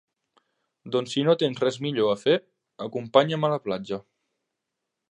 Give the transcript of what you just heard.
Doncs si no tens res millor a fer, acompanya'm a la platja.